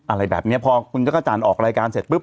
อะไรแบบนี้พอคุณเจ้าค่าจรออกรายการเสร็จปุ๊บ